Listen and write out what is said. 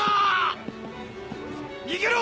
逃げろ！